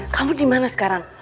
kamu dimana sekarang